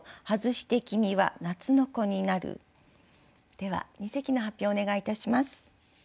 では二席の発表をお願いいたします。